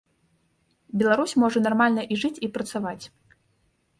Беларусь можа нармальна і жыць, і працаваць.